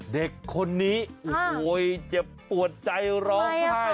เด็กคนนี้โอ้โหเจ็บปวดใจร้องไห้